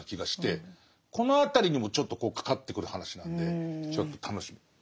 この辺りにもちょっとかかってくる話なんでちょっと楽しみ。